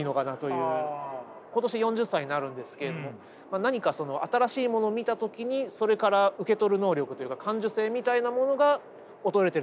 今年４０歳になるんですけれども何かその新しいものを見た時にそれから受け取る能力というか感受性が？